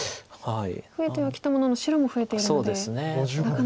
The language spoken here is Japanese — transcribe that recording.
増えてはきたものの白も増えているのでなかなか。